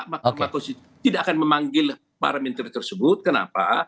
maka tidak akan memanggil para menteri tersebut kenapa